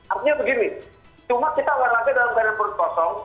artinya begini cuma kita olahraga dalam perut kosong